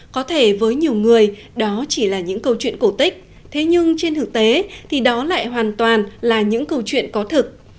có thể với nhiều người đó chỉ là những câu chuyện cổ tích thế nhưng trên thực tế thì đó lại hoàn toàn là những câu chuyện có thực